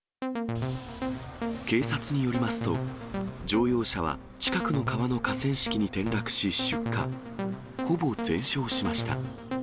警察によりますと、乗用車は近くの川の河川敷に転落し出火、ほぼ全焼しました。